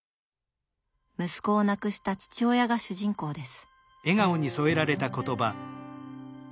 息子を亡くした父親が主人公です。